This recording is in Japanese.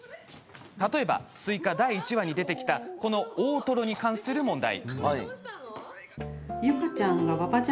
例えば「すいか」第１話に出てきたこの大トロに関する問題。